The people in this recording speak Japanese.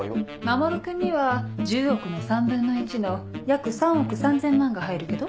守君には１０億の３分の１の約３億３０００万が入るけど。